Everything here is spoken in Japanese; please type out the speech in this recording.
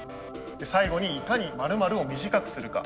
最後にいかに○○を短くするか。